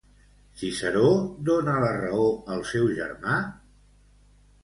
Ciceró dona la raó al seu germà?